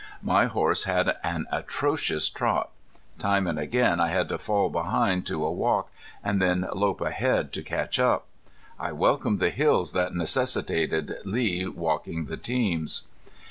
My horse had an atrocious trot. Time and again I had to fall behind to a walk and then lope ahead to catch up. I welcomed the hills that necessitated Lee walking the teams.